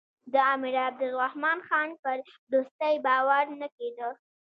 د امیر عبدالرحمن خان پر دوستۍ باور نه کېده.